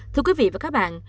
thưa quý vị và các bạn